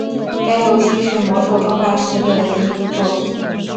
该游戏是魔兽争霸系列的第一部作品。